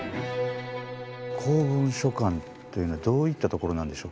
公文書館っていうのはどういったところなんでしょうか？